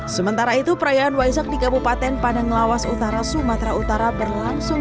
sementara itu perayaan waisak di kabupaten padang lawas utara sumatera utara berlangsung